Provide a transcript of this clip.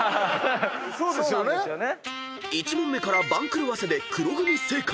［１問目から番狂わせで黒組正解］